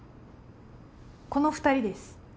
この２人です。